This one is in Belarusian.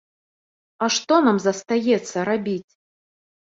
А што нам застаецца рабіць?